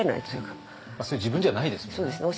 それ自分じゃないですもんね。